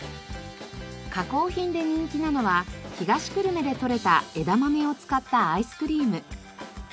加工品で人気なのは東久留米で採れた枝豆を使ったアイスクリーム。